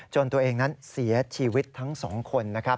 ตัวเองนั้นเสียชีวิตทั้ง๒คนนะครับ